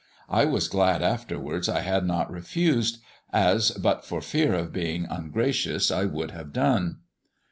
I was glad afterwards I had not refused, as, but for fear of being ungracious, I would have done.